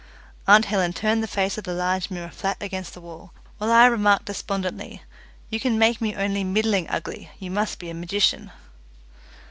Aunt Helen turned the face of the large mirror flat against the wall, while I remarked despondently, "you can make me only middling ugly, you must be a magician."